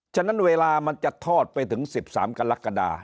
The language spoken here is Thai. ฉะนั้นเวลามันจะทอดไปถึง๑๓กรกฎา